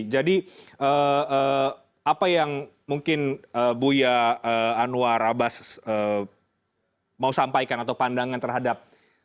jadi apa yang mungkin buya anwar abbas mau sampaikan atau pandangan terhadap